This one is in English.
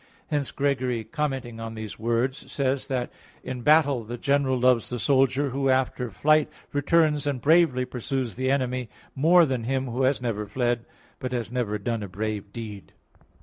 Hence Gregory commenting on these words (Hom. 34 in Ev.) says that, "In battle the general loves the soldier who after flight returns and bravely pursues the enemy, more than him who has never fled, but has never done a brave deed."